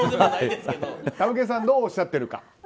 たむけんさんどうおっしゃっているか。